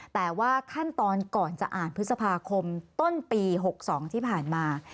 แต่ว่าขั้นตอนก่อนจะอ่านพฤษภาคมต้นปี๖๒ที่ผ่านมา